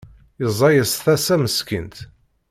Yezza-yas tasa meskint.